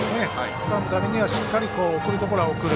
つかむためにはしっかり送るところは送る。